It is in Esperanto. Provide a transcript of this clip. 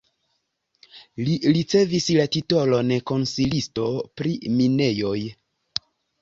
Li ricevis la titolon konsilisto pri minejoj.